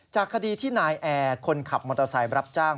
คดีที่นายแอร์คนขับมอเตอร์ไซค์รับจ้าง